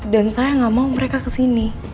dan saya nggak mau mereka kesini